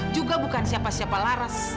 juga bukan siapa siapa laras